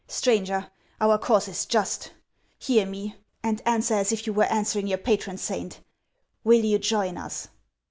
Stranger, our cause is just. Hear me, and answer as if you were answering your patron saint. Will you join us